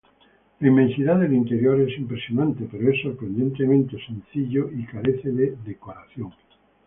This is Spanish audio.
La inmensidad del interior es impresionante, pero es sorprendentemente sencillo y carece de decoración.